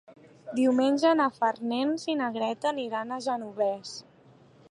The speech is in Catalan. Diumenge na Farners i na Greta aniran al Genovés.